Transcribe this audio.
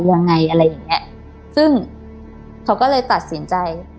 ยังไงอะไรอย่างเงี้ยซึ่งเขาก็เลยตัดสินใจ